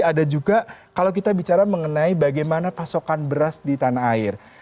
ada juga kalau kita bicara mengenai bagaimana pasokan beras di tanah air